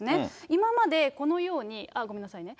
今までこのように、ごめんなさいね。